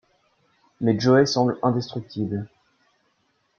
Mais Joey semble indestructible...